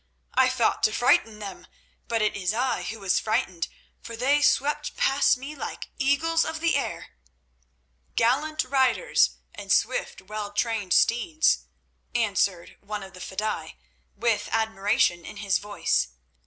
I thought to frighten them, but it is I who was frightened, for they swept past me like eagles of the air." "Gallant riders and swift, well trained steeds," answered one of the fedaïs, with admiration in his voice.